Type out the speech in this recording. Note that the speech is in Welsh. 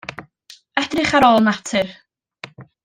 Edrych ar ôl natur.